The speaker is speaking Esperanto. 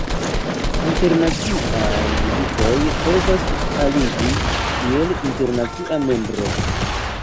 Internaciaj ligoj povas aliĝi kiel internacia membro.